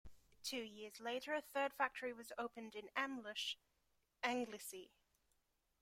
Two years later a third factory was opened in Amlwch, Anglesey.